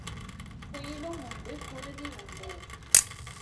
குயிலும் உண்டு, குருவி உண்டு.